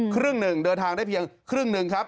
ครึ่งหนึ่งเดินทางได้เพียงครึ่งหนึ่งครับ